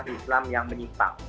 islam yang menyimpang